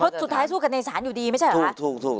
เพราะสุดท้ายสู้กันในศาลอยู่ดีไม่ใช่เหรอคะถูก